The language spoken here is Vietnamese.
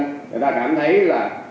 chúng ta cảm thấy là